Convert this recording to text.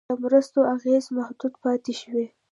د مرستو اغېز محدود پاتې شوی.